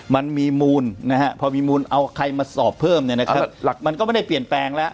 มันมีมูลนะฮะพอมีมูลเอาใครมาสอบเพิ่มเนี่ยนะครับหลักมันก็ไม่ได้เปลี่ยนแปลงแล้ว